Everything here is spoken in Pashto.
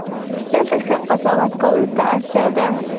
دلته ښه قضاوت کولو ته اړتیا ده.